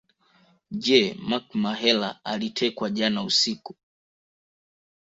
Je Mark Mahela alitekwa jana usiku